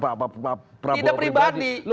pak prabowo pribadi tidak pribadi